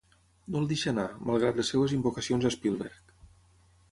No el deixa anar, malgrat les seves invocacions a Spielberg.